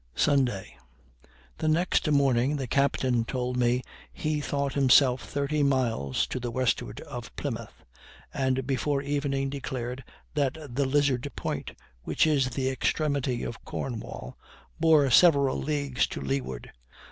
Sunday. The next morning the captain told me he thought himself thirty miles to the westward of Plymouth, and before evening declared that the Lizard Point, which is the extremity of Cornwall, bore several leagues to leeward.